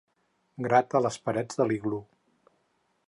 Grata les parets de l'iglú.